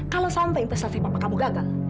kalo sampai intersasi papa kamu gagal